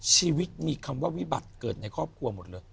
ชีวิตมีคำว่าวิบัติเกิดในครอบครัวหมดเลย